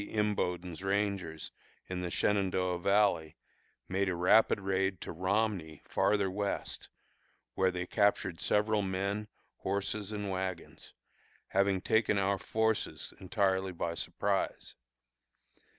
Imboden's rangers, in the Shenandoah Valley, made a rapid raid to Romney, farther west, where they captured several men, horses, and wagons, having taken our forces entirely by surprise.